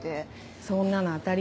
そんなの当たり前。